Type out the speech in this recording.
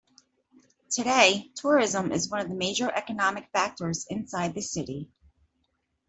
Today, tourism is one of the major economic factors inside the city.